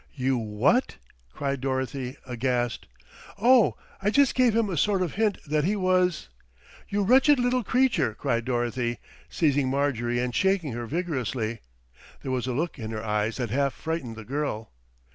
"You what?" cried Dorothy aghast. "Oh! I just gave him a sort of hint that he was " "You wretched little creature!" cried Dorothy, seizing Marjorie and shaking her vigorously. There was a look in her eyes that half frightened the girl.